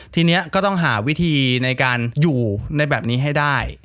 ทีนี้ก็ต้องหาวิธีในการอยู่ในแบบนี้ให้ได้